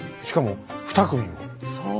しかも２組も。